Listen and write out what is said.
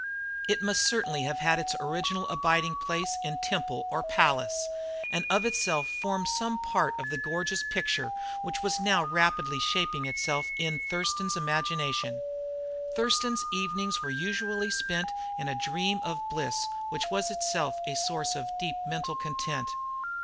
It must certainly have had its orginal abiding place in temple or palace, and of itself formed some part of the gorgeous picture which was rapidly shaping itself in Thurston's imagination. Thurston's evenings were usually spent in a dream of bliss which was itself a source of deep mental content.